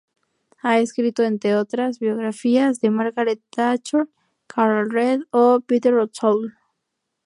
Ha escrito, entre otras, biografías de Margaret Thatcher, Carol Reed o Peter O'Toole.